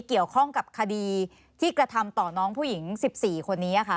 เกี่ยวข้องกับคดีที่กระทำต่อน้องผู้หญิง๑๔คนนี้ค่ะ